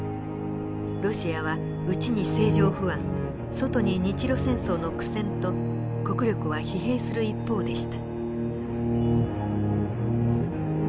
ロシアは内に政情不安外に日露戦争の苦戦と国力は疲弊する一方でした。